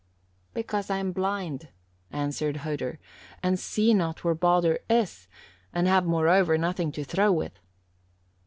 "'Because I am blind,' answered Hodur, 'and see not where Baldur is, and have, moreover, nothing to throw with.'